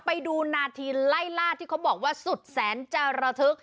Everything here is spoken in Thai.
ไปดูนาทีไล่ล่าที่เขาบอกว่าสุดแสนจาระทึก